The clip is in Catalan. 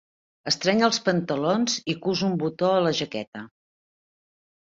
Estreny els pantalons i cus un botó a la jaqueta.